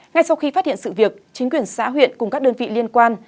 ngay sau khi phát hiện sự việc chính quyền xã huyện cùng các đơn vị liên quan